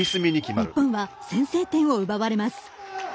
日本は先制点を奪われます。